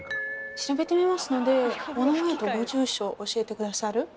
調べてみますのでお名前とご住所教えて下さる？